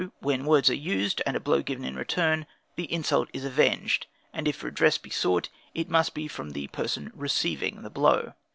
When words are used, and a blow given in return, the insult is avenged; and if redress be sought, it must be from the person receiving the blow.